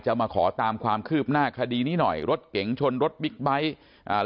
มาขอตามความคืบหน้าคดีนี้หน่อยรถเก๋งชนรถบิ๊กไบท์อ่า